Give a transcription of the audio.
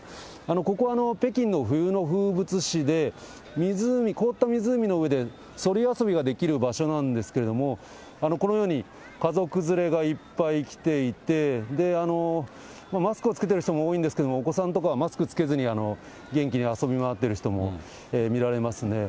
ここは北京の冬の風物詩で、湖、凍った湖の上でそり遊びができる場所なんですけれども、このように家族連れがいっぱい来ていて、マスクを着けてる人も多いんですけれども、お子さんとかはマスク着けずに、元気に遊び回ってる人も見られますね。